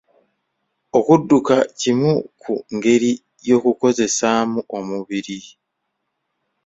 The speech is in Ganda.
Okudduka kimu ku ngeri y'okukozesaamu omubiri